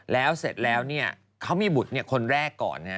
แล้วเสร็จแล้วเขามีบุตรคนแรกก่อน